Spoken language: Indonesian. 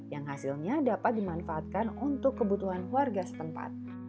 yang hasilnya dapat dimanfaatkan untuk kebutuhan warga setempat